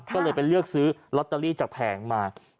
ก็เลยไปเลือกซื้อลอตเตอรี่จากแผงมา